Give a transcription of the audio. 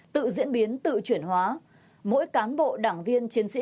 tự diễn biến tự chuyển hóa mỗi cán bộ đảng viên chiến sĩ